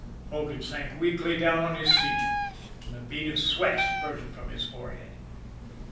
Hogan sank weakly down on his seat, and a bead of sweat spurted from his forehead.